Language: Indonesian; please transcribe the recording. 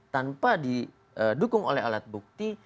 tanpa didukung oleh alat bukti